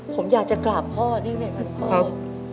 ผมอยากจะกลับพ่อได้ไหมพ่อพ่อครับ